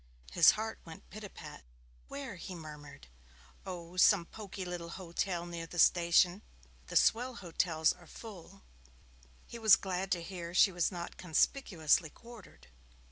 His heart went pit a pat. 'Where?' he murmured. 'Oh, some poky little hotel near the station. The swell hotels are full.' He was glad to hear she was not conspicuously quartered.